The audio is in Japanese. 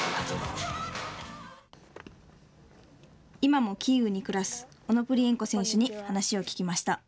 今もキーウに暮らすオノプリエンコ選手に話を聞きました。